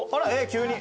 急に。